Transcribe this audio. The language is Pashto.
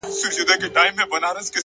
که ستا د غم حرارت ماته رسېدلی نه وای!!